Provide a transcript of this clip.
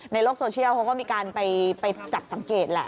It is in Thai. ในโลกโซเชียลเขาก็มีการไปจับสังเกตแหละ